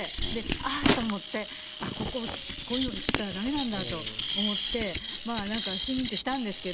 あーっと思って、あっ、ここ、こういうのしたらだめなんだと思って、なんかシーンってしたんですけど。